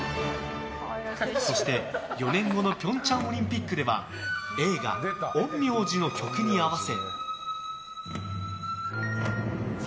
そして４年後の平昌オリンピックでは映画「陰陽師」の曲に合わせ。